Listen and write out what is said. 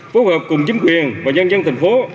phối hợp cùng chính quyền và nhân dân thành phố